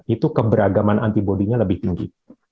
itu keberagaman antibody nya lebih tinggi